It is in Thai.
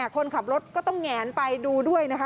คนขับรถก็ต้องแหงไปดูด้วยนะคะ